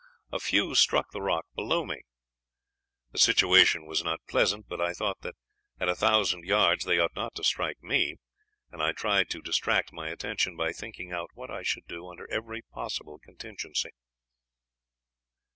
A few struck the rock below me. The situation was not pleasant, but I thought that at a thousand yards they ought not to hit me, and I tried to distract my attention by thinking out what I should do under every possible contingency.